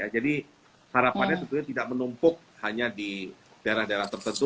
jadi harapannya tentunya tidak menumpuk hanya di daerah daerah tertentu